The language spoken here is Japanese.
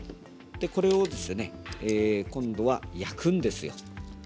これを今度は焼くんですよ。